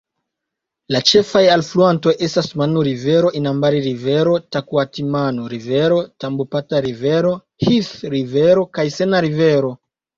La ĉefaj alfluantoj estas Manu-Rivero, Inambari-Rivero, Takuatimanu-Rivero, Tambopata-Rivero, Heath-Rivero kaj Sena-Rivero.